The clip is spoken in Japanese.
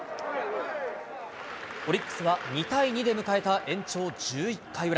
オリックスは２対２で迎えた延長１１回裏。